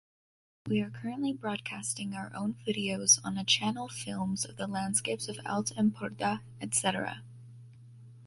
We are currently broadcasting our own videos on a channel, films of the landscapes of Alt Empordà, etc.